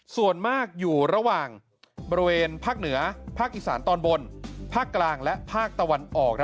ส่วนมากอยู่ระหว่างบริเวณภาคเหนือภาคอีสานตอนบนภาคกลางและภาคตะวันออก